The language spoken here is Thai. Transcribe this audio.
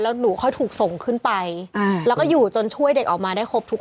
แล้วหนูค่อยถูกส่งขึ้นไปแล้วก็อยู่จนช่วยเด็กออกมาได้ครบทุกคน